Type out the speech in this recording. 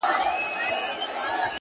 پلاره مه پرېږده چي ورور مي حرامخور سي,